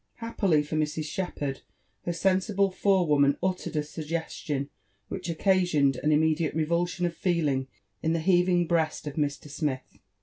Happily for Mrs. Shepherd, her sensible fore woman uttered^ a sug gestion which occasioned an immediate revulsion of feeling in the heaving breast of Mr. Smith.